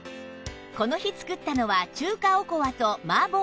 この日作ったのは中華おこわと麻婆茄子